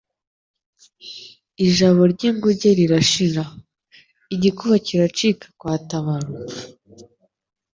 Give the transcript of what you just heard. ijabo ry'ingunge rirashira. Igikuba kiracika kwa Tabaro,